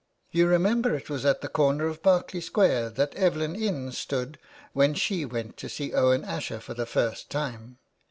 You remember it was at the corner of Berkeley Square that Evelyn Innes stood when she went to see Owen Asher for the first time.